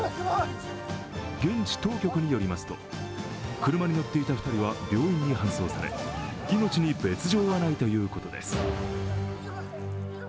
現地当局によりますと、車に乗っていた２人は病院に搬送され、命に別状はないということです。